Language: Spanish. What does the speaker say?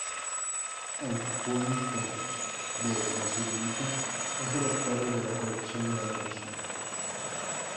El cuento de "La sirenita" es el octavo de la colección de Andersen.